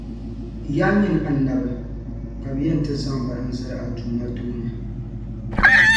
Yaa nyini Annabi! Ka bɛ yɛn ti zaŋ ba n-zali a Duuma tooni.